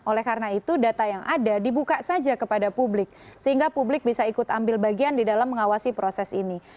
oleh karena itu data yang ada dibuka saja kepada publik sehingga publik bisa ikut ambil bagian di dalam mengawasi proses ini